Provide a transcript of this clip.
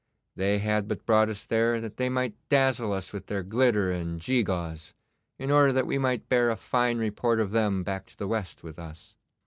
They had but brought us there that they might dazzle us with their glitter and gee gaws, in order that we might bear a fine report of them back to the West with us.